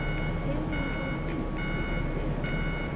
Failure of all things, did I say